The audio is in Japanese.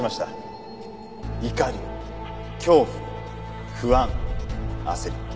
怒り恐怖不安焦り。